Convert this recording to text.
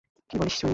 কী বলিস, চুনি।